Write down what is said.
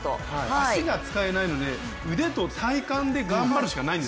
足が使えないので腕と体幹で頑張るしかない。